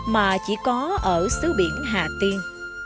mà chỉ có ở xứ biển hà tiên